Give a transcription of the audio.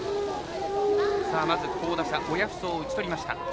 まず、好打者親富祖を打ち取りました。